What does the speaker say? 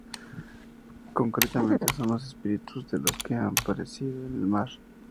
Concretamente son los espíritus de los que han perecido en el mar.